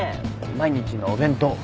毎日のお弁当。